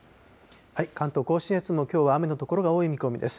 関東甲信越もきょうは雨の所が多い見込みです。